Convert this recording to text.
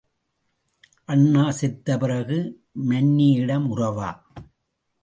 அண்ணா செத்த பிறகு மன்னியிடம் உறவா?